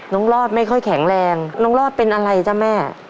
รอดไม่ค่อยแข็งแรงน้องรอดเป็นอะไรจ๊ะแม่